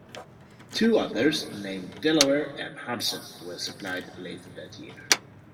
Two others, named "Delaware" and "Hudson" were supplied later that year.